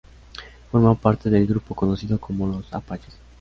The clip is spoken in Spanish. Formó parte del grupo conocido como Los Apaches.